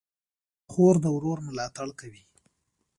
خور د ورور ملاتړ کوي.